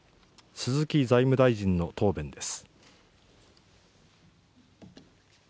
鈴木財務大臣の答弁です。